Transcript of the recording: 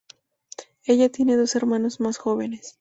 Ella tiene dos hermanos más jóvenes.